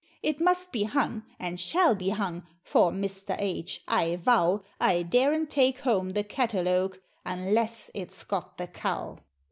It must be hung and shall be hung for, Mr. H , I vow I daren't take home the catalogue, unless it's got the Cow!